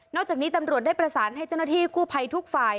จากนี้ตำรวจได้ประสานให้เจ้าหน้าที่กู้ภัยทุกฝ่าย